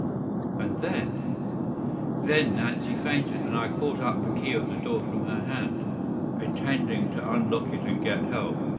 "And then?" "Then Nancy fainted, and I caught up the key of the door from her hand, intending to unlock it and get help.